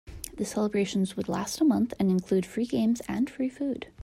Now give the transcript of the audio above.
The celebrations would last a month and include free games and free food.